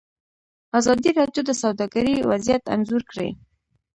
ازادي راډیو د سوداګري وضعیت انځور کړی.